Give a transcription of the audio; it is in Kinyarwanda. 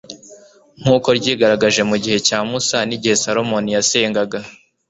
nk'uko ryigaragaje mu gihe cya musa n'igihe salomoni yasengaga